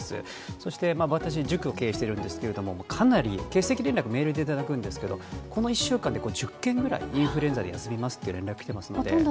そして私、塾を経営しているんですけれど欠席連絡をメールでいただくんですけど、１０件くらいインフルエンザで休みますという連絡が来ていますので。